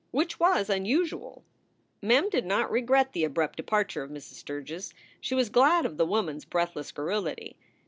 Which was unusual. SOULS FOR SALE 189 Mem did not regret the abrupt departure of Mrs. Sturgs. She was glad of the woman s breathless garrulity.